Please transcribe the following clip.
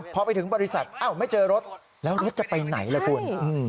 พอไปถึงบริษัทอ้าวไม่เจอรถแล้วรถจะไปไหนล่ะคุณ